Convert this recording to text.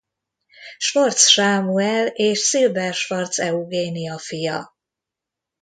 Schwartz Sámuel és Silber-Schwartz Eugénia fia.